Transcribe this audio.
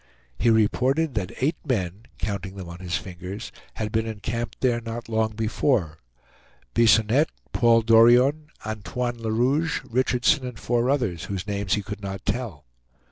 He reported that eight men, counting them on his fingers, had been encamped there not long before. Bisonette, Paul Dorion, Antoine Le Rouge, Richardson, and four others, whose names he could not tell.